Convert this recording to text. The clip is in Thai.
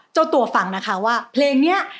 เจ้าตัวฟังนะคะว่าเพลงนี้